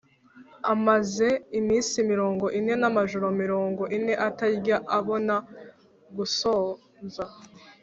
” Amaze iminsi mirongo ine n’amajoro mirongo ine atarya, abona gusonza